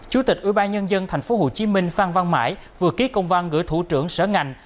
chủ tịch ủy ban nhân dân tp hcm phan văn mãi vừa ký công văn gửi thủ trưởng sở ngành